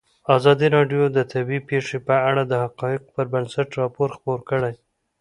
ازادي راډیو د طبیعي پېښې په اړه د حقایقو پر بنسټ راپور خپور کړی.